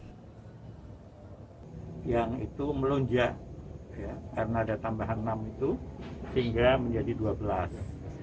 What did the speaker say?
nah yang itu melonjak karena ada tambahan enam itu hingga menjadi dua belas